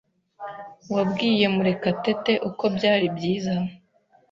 Wabwiye Murekatete uko byari byiza?